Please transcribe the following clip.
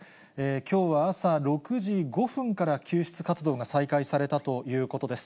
きょうは朝６時５分から救出活動が再開されたということです。